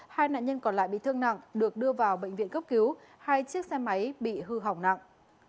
hai nạn nhân còn lại bị thương nặng được đưa vào bệnh viện cấp cứu hai chiếc xe máy bị hư hỏng nặng